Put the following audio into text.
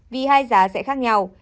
vì hai giá sẽ khác nhau